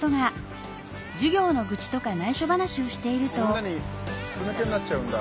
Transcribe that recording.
みんなに筒抜けになっちゃうんだ。